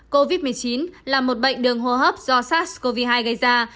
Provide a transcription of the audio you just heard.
covid một mươi chín là một bệnh đường hô hấp do sars cov hai gây ra